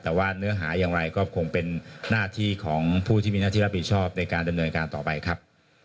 แต่ว่าเนื้อหาอย่างไรก็คงเป็นหน้าที่ของผู้ที่มีหน้าที่รับผิดชอบในการดำเนินการต่อไปครับ